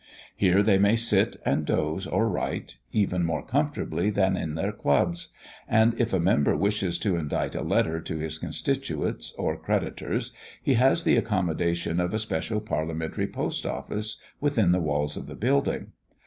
Here they may sit and doze or write, even more comfortably than in their clubs; and if a member wishes to indite a letter to his constituents or creditors, he has the accommodation of a special parliamentary post office within the walls of the building.